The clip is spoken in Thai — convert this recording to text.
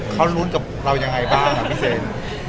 เขาลุ้นกับเรายังไงบ้างครับพี่เซน